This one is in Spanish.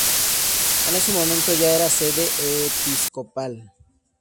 En este momento ya era sede episcopal.